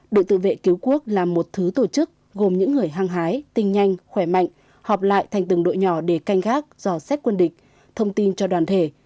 đội tự vệ cứu quốc làm một thứ tổ chức gồm những người hăng hái tinh nhanh khỏe mạnh họp lại thành từng đội nhỏ để canh gác dò xét quân địch thông tin cho đoàn thể